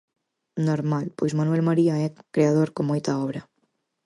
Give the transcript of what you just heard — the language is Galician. Normal, pois Manuel María é un creador con moita obra.